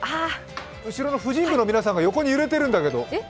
後ろの婦人部の皆さんが横に揺れているんだけど？